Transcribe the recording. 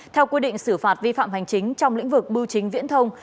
theo quy định xử phạt vi phạm hành chính trong lĩnh vực bưu chính viễn thông